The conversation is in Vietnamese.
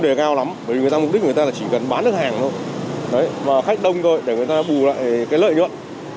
đấy mà khách đông thôi để người ta bù lại cái lợi nhuận